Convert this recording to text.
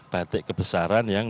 batik kebesaran yang